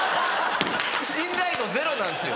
信頼度ゼロなんですよ。